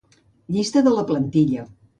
Llista de la plantilla.